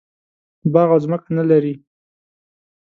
باغ او ځمکه نه لري.